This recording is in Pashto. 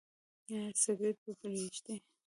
ایا سګرټ به پریږدئ؟